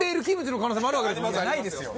ないですよ。